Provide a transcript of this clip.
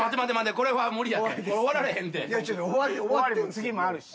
次もあるし。